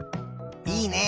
いいね。